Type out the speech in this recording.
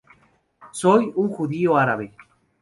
Soy un judío árabe.